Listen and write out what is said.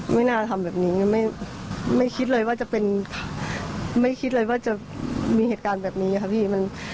ไม่น่าทำแบบนี้ไม่คิดเลยว่าจะเป็นไม่คิดเลยว่าจะมีเหตุการณ์แบบนี้ค่ะพี่